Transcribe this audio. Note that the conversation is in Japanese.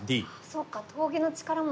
そっか峠の力餅